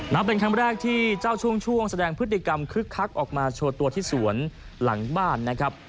เป็นครั้งแรกที่เจ้าช่วงแสดงพฤติกรรมคึกคักออกมาโชว์ตัวที่สวนหลังบ้านนะครับ